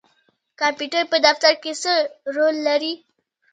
کمپیوټر په دفتر کې څه رول لري؟